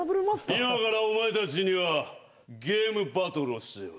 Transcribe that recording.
今からお前たちにはゲームバトルをしてもらう。